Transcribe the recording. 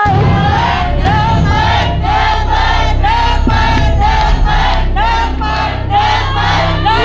เลขหนึ่ง